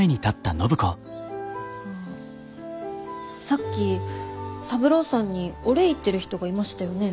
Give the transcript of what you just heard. さっき三郎さんにお礼言ってる人がいましたよね。